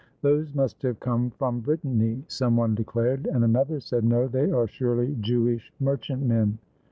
"Those must have come from Brittany," some one declared; and another said, "No, they are surely Jev/ish merchantmen."